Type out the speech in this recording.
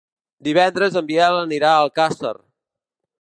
Divendres en Biel anirà a Alcàsser.